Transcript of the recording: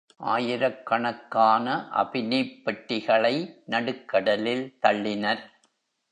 ஆயிரக்கணக்கான அபினிப் பெட்டிகளை நடுக்கடலில் தள்ளினர்.